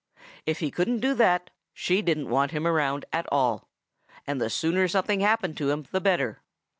If he couldn't do that, she didn't want him around at all, and the sooner something happened to him the better.